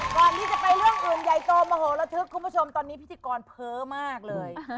ก่อนที่จะไปเรื่องอื่นใหญ่โตโมโหระทึกคุณผู้ชมตอนนี้พิธีกรเพ้อมากเลย